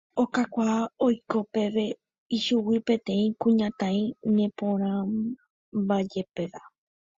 okakuaa oiko peve ichugui peteĩ kuñataĩ neporãmbajepéva